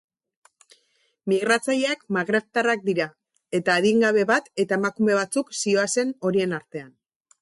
Migratzaileak magrebtarrak dira, eta adingabe bat eta emakume batzuk zihoazen horien artean.